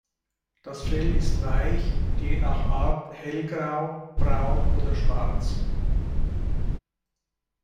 Das Fell ist weich und je nach Art hellgrau, braun oder schwarz.